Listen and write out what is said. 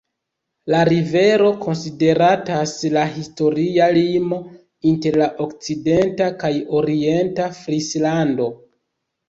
La rivero konsideratas la historia limo inter la okcidenta kaj orienta Frislando.